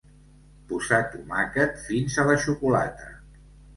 Posar tomàquet fins a la xocolata.